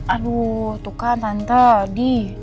aduh tuh kan tante dih